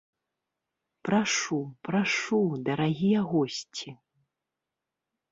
Прашу, прашу, дарагія госці.